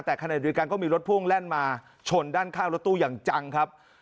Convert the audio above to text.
แต่ขณะเดียวกันก็มีรถพ่วงแล่นมาชนด้านข้างรถตู้อย่างจังครับ